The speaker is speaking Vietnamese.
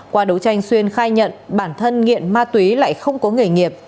qua đấu tranh xuyên khai nhận bản thân nghiện ma túy lại không có nghề nghiệp